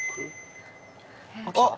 あっ！